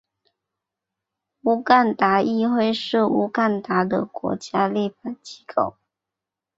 乌干达议会是乌干达的国家立法机关。